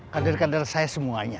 kandar kandar saya semuanya